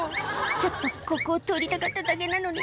「ちょっとここを通りたかっただけなのに」